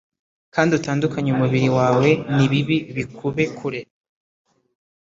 kandi utandukanye umubiri wawe n'ibibi bikube kure